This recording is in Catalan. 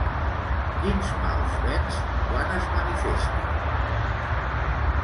Quins mals venç quan es manifesta?